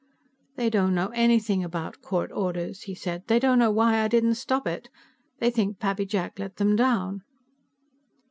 "They don't know anything about court orders," he said. "They don't know why I didn't stop it. They think Pappy Jack let them down."